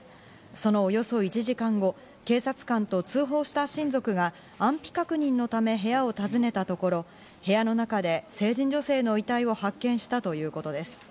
そのおよそ１時間後、警察官と通報した親族が安否確認のため部屋を訪ねたところ、部屋の中で成人女性の遺体を発見したということです。